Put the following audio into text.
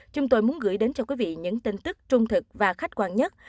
chúng tôi muốn gửi đến cho quý vị những tin tức trung thực và khách quan nhất